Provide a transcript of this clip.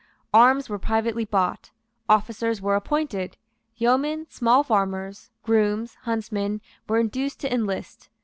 Arms were privately bought; officers were appointed; yeomen, small farmers, grooms, huntsmen, were induced to enlist.